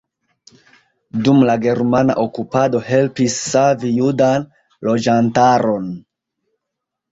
Dum la germana okupado helpis savi judan loĝantaron.